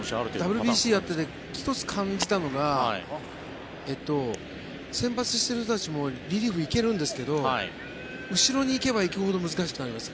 ＷＢＣをやっていて１つ感じたのが先発してる人たちもリリーフ行けるんですけど後ろに行けば行くほど難しくなります。